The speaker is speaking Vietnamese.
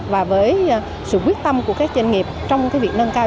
và với sự quyết tâm của các doanh nghiệp trong việc nâng cao